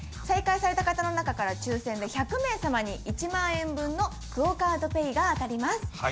正解された方の中から抽選で１００名さまに１万円分のＱＵＯカードＰａｙが当たります。